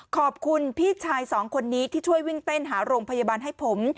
ขอบคุณพี่ชายสองคนนี้ที่ช่วยวิ่งเต้นหาโรงพยาบาลให้ผม